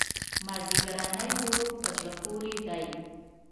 مازیګرنی غروب په زړه پورې دی.